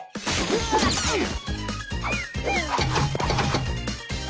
うわっ！